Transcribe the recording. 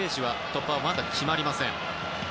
突破はまだ決まりません。